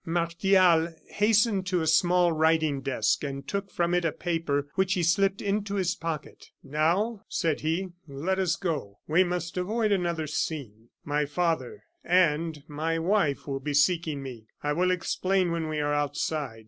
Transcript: Martial hastened to a small writing desk, and took from it a paper which he slipped into his pocket. "Now," said he, "let us go. We must avoid another scene. My father and my wife will be seeking me. I will explain when we are outside."